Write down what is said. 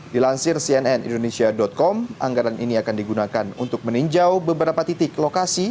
di lansir cnnindonesia com anggaran ini akan digunakan untuk meninjau beberapa titik lokasi